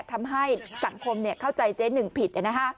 ทำให้สังคมเข้าใจเจ๊หนึ่งผิด